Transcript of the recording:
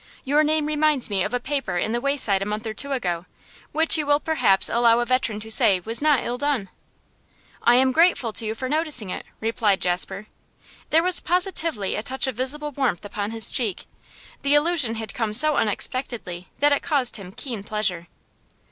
'Your name reminds me of a paper in The Wayside a month or two ago, which you will perhaps allow a veteran to say was not ill done.' 'I am grateful to you for noticing it,' replied Jasper. There was positively a touch of visible warmth upon his cheek. The allusion had come so unexpectedly that it caused him keen pleasure.